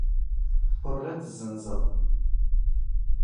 ⵓⵔ ⴰⴷ ⵜ ⵣⵣⵏⵣⵖ.